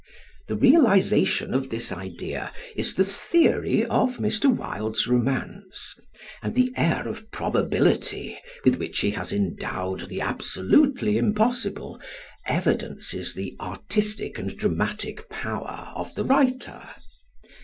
The realization of this idea is the theory of Mr. Wilde's romance, and the air of probability with which he has endowed the absolutely impossible evidences the artistic and dramatic power of the writer.